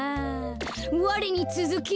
われにつづけ！